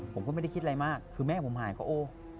ผมก็ไม่ได้คิดอะไรมากคือแม่ผมหายก็โอ้